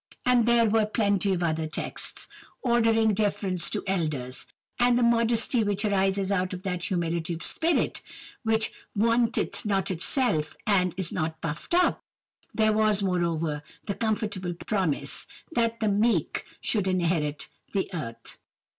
And there were plenty of other texts, ordering deference to elders, and the modesty which arises out of that humility of spirit which "vaunteth not itself," and "is not puffed up." There was, moreover, the comfortable promise, that "the meek" should "inherit the earth."